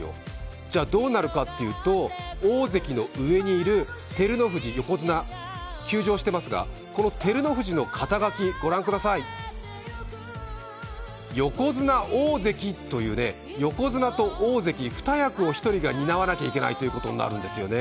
じゃどうなるかというと、大関の上にいる、照ノ富士、横綱休場してますがこの照ノ富士の肩書き、ご覧ください、横綱大関という、横綱と大関、二役を１人で担わなきゃいけないということなんです。